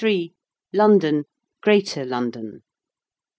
63. LONDON. GREATER LONDON.